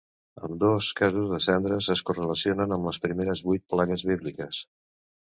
Ambdós casos de cendres es correlacionen amb les primeres vuit plagues bíbliques.